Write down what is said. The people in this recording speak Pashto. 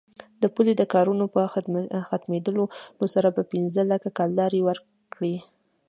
د پولې د کارونو په ختمېدلو سره به پنځه لکه کلدارې ورکړي.